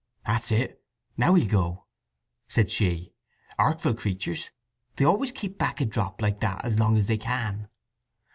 "That's it; now he'll go," said she. "Artful creatures—they always keep back a drop like that as long as they can!"